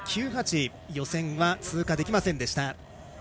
予選は通過できませんでした。